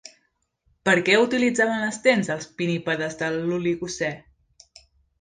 Per a què utilitzaven les dents els pinnípedes de l'Oligocè?